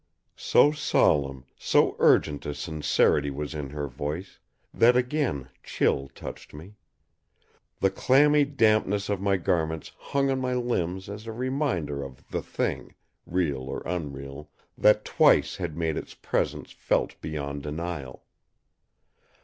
So solemn, so urgent a sincerity was in her voice, that again chill touched me. The clammy dampness of my garments hung on my limbs as a reminder of the Thing, real or unreal, that twice had made Its presence felt beyond denial.